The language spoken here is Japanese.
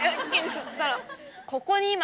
ここに今。